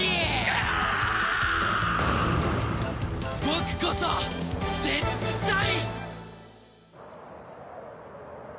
僕こそ絶対！